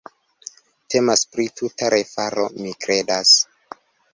Temas pri tuta refaro, mi kredas.